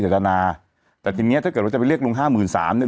จตนาแต่ทีเนี้ยถ้าเกิดว่าจะไปเรียกลุงห้าหมื่นสามเนี่ย